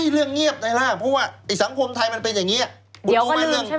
เรื่องเงียบได้ละเพราะว่าสังคมไทยเป็นอย่างนี้